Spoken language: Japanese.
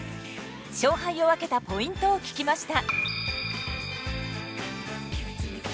勝敗を分けたポイントを聞きました。